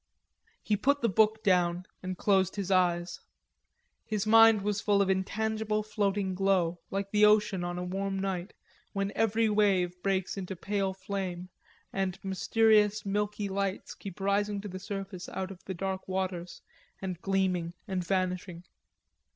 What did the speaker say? He put the book down and closed his eyes. His mind was full of intangible floating glow, like the ocean on a warm night, when every wave breaks into pale flame, and mysterious milky lights keep rising to the surface out of the dark waters and gleaming and vanishing.